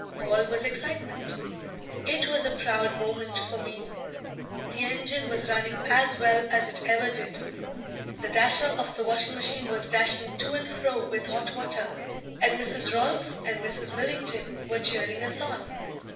All was excitement. It was a proud moment for me. The engine was running as well as it ever did, the dasher of the washing machine was dashing to and fro with hot water, and Mrs. Rolfs and Mrs. Millington were cheering us on.